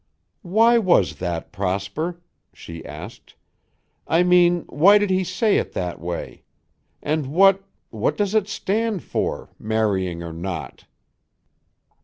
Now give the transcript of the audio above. "Why was that, Prosper?" she asked; "I mean, why did he say it that way? And what what does it stand for, marrying or not